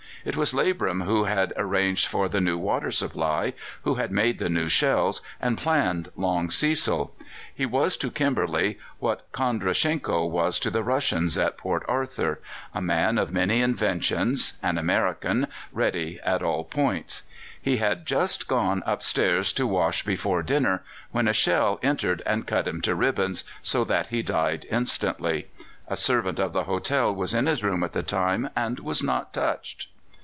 It was Labram who had arranged for the new water supply, who had made the new shells, and planned "Long Cecil." He was to Kimberley what Kondrachenko was to the Russians at Port Arthur a man of many inventions, an American, ready at all points. He had just gone upstairs to wash before dinner, when a shell entered and cut him to ribbons, so that he died instantly. A servant of the hotel was in his room at the time, and was not touched.